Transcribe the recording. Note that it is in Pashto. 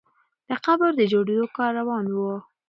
د قبر د جوړېدو کار روان وو.